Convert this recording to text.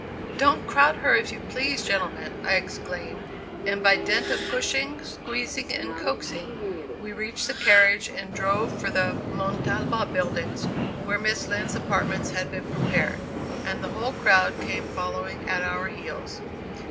"Don't crowd her, if you please, gentlemen," I exclaimed, and by dint of pushing, squeezing and coaxing, we reached the carriage, and drove for the Montalba buildings, where Miss Lind's apartments had been prepared, and the whole crowd came following at our heels.